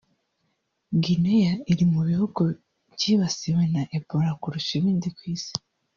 Guinea iri mu bihugu byibasiwe na Ebola kurusha ibindi ku Isi